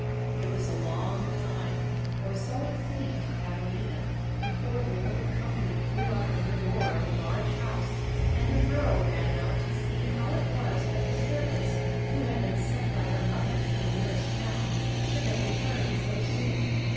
It was a long time or it seemed so to Catalina before the little company drew up at the door of a large house, and a girl ran out to see how it was that the servants who had been sent by her mother to the nearest town should have returned so soon.